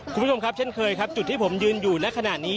คุณผู้ชมครับเช่นเคยครับจุดที่ผมยืนอยู่ในขณะนี้